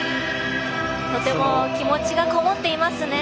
とても気持ちがこもっていますね。